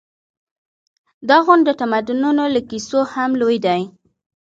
دا غونډ د تمدنونو له کیسو هم لوی دی.